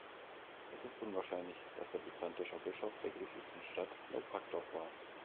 Es ist unwahrscheinlich, dass er byzantinischer Bischof der griechischen Stadt Naupaktos war.